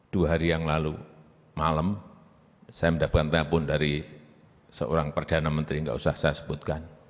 dua hari yang lalu malam saya mendapatkan telepon dari seorang perdana menteri nggak usah saya sebutkan